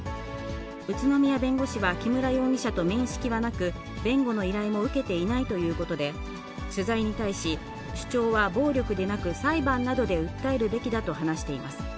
宇都宮弁護士は木村容疑者と面識はなく、弁護の依頼も受けていないということで、取材に対し、主張は暴力でなく、裁判などで訴えるべきだと話しています。